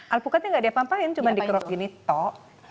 alpukatnya nggak ada apa apain cuma dikerok gini tok